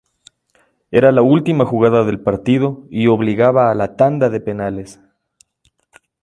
Era la última jugada del partido y obligaba a la tanda de penales.